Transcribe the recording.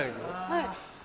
はい。